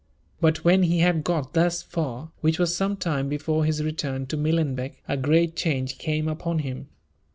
But, when he had got thus far, which was some time before his return to Millenbeck, a great change came upon him.